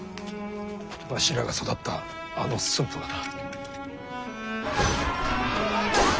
わしらが育ったあの駿府がな。